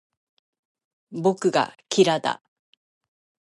僕がキラだ